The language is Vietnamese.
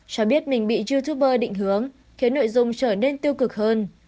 cho biết mình bị youtuber định hướng khiến nội dung trở nên tiêu cực hơn